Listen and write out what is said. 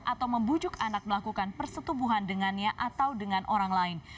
atau membujuk anak melakukan persetubuhan dengannya atau dengan orang lain